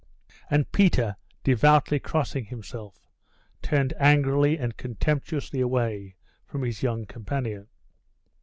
And Peter, devoutly crossing himself, turned angrily and contemptuously away from his young companion.